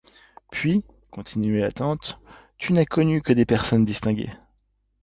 Puis, continuait la tante, tu n'as connu que des personnes distinguées.